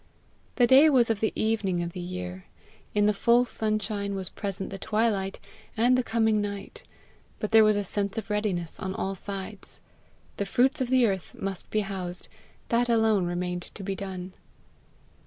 The day was of the evening of the year; in the full sunshine was present the twilight and the coming night, but there was a sense of readiness on all sides. The fruits of the earth must be housed; that alone remained to be done.